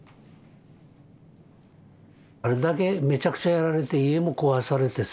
あれだけめちゃくちゃやられて家も壊されてさ。